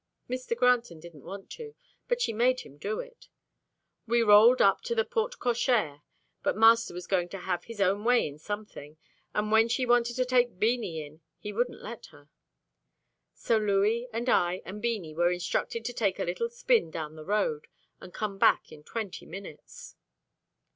Mr. Granton didn't want to, but she made him do it. We rolled up to the porte cochère, but master was going to have his own way in something, and when she wanted to take Beanie in, he wouldn't let her. So Louis and I and Beanie were instructed to take a little spin down the road, and come back in twenty minutes.